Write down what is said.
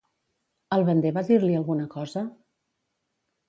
El bander va dir-li alguna cosa?